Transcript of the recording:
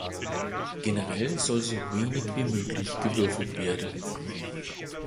Generell soll so wenig wie möglich gewürfelt werden.